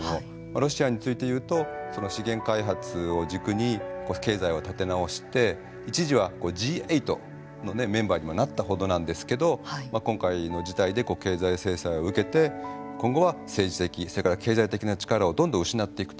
ロシアについて言うと資源開発を軸に経済を立て直して一時はＧ８のメンバーにもなったほどなんですけど今回の事態で経済制裁を受けて今後は政治的それから経済的な力をどんどん失っていくと。